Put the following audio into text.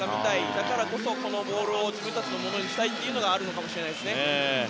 だからこそこのボールを自分たちのものにしたいというのがあるのかもしれないですね。